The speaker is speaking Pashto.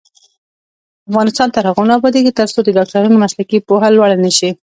افغانستان تر هغو نه ابادیږي، ترڅو د ډاکټرانو مسلکي پوهه لوړه نشي.